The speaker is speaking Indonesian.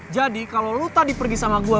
jadi kalo lo tadi pergi sama gue